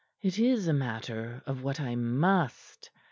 "It is a matter of what I must.